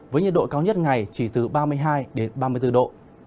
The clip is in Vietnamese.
với nhiệt độ cao nhất ngày chỉ từ ba mươi hai ba mươi bốn độ